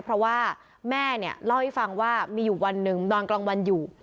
เพราะว่าแม่เนี่ยเล่าให้ฟังว่ามีอยู่วันหนึ่งนอนกลางวันอยู่